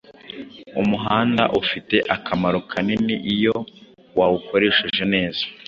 umuhanda ufite akamaro kanini iyo wawukoresheje neza